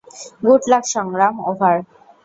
Good luck Sangram, over!